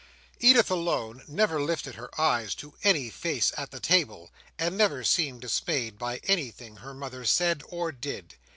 Edith alone never lifted her eyes to any face at the table, and never seemed dismayed by anything her mother said or did.